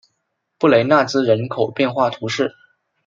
布雷纳兹人口变化图示